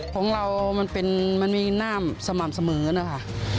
ของเรามันมีน่ามสม่ำเสมอนะคะ